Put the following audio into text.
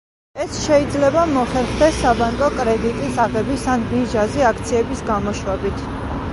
ეს შეიძლება მოხერხდეს საბანკო კრედიტის აღებით, ან ბირჟაზე აქციების გამოშვებით.